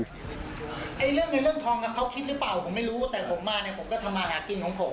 เรื่องเงินเรื่องทองกับเขาคิดหรือเปล่าผมไม่รู้แต่ผมมาเนี่ยผมก็ทำมาหากินของผม